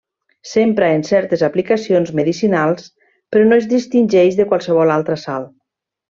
S'empra en certes aplicacions medicinals, però no es distingeix de qualsevol altra sal.